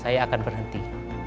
saya akan berhenti